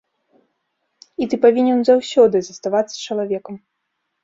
І ты павінен заўсёды заставацца чалавекам.